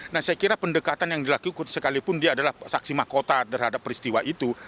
nah saya kira pendekatan yang dilakukan sekalipun dia adalah saksi mahkota terhadap peristiwa itu